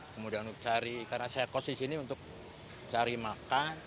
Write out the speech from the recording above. kemudian untuk cari karena saya kos di sini untuk cari makan